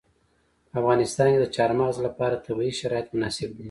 په افغانستان کې د چار مغز لپاره طبیعي شرایط مناسب دي.